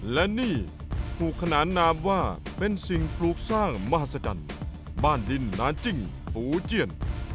และนี่ถูกขนานนามว่าเป็นสิ่งปลูกสร้างมหัศจรรย์บ้านดินนานจิ้งปูเจียน